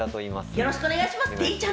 よろしくお願いします。